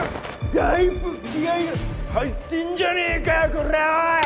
だいぶ気合いが入ってんじゃねぇかコラおい！